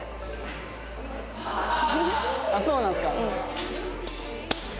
あっそうなんすか。